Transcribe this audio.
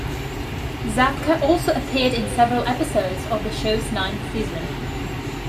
Zabka also appeared in several episodes of the show's ninth season.